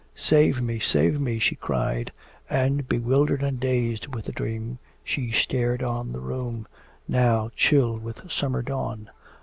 'Save me, save me!' she cried; and, bewildered and dazed with the dream, she stared on the room, now chill with summer dawn.